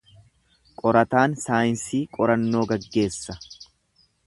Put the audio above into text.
Qorataan saayinsii qorannoo gaggeessa.